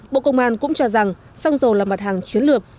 bộ công an cũng cho rằng xăng dầu là mặt hàng chiến lược